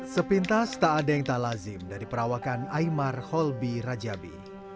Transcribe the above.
sepintas tak ada yang tak lazim dari perawakan aymar holbi rajabi